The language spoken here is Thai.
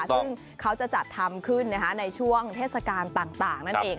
ซึ่งเขาจะจัดทำขึ้นในช่วงเทศกาลต่างนั่นเอง